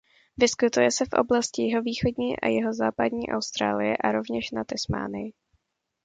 Vyskytuje se v oblasti jihovýchodní a jihozápadní Austrálie a rovněž na Tasmánii.